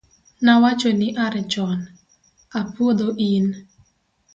nawachoni are chon, apuodho in